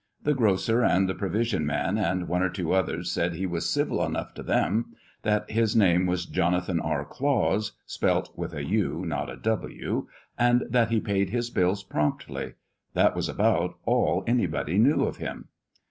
The grocer and the provision man, and one or two others said he was civil enough to them, that his name was Jonathan R. Claus, spelt with a u, not a w, and that he paid his bills promptly. That was about all anybody knew of him.